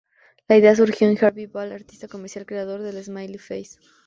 La idea surgió de Harvey Ball, artista comercial, creador de la Smiley Face.